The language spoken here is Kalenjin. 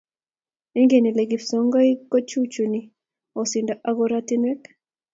Ingen ile kipsongik kochuchuchi osindo ak korotwek?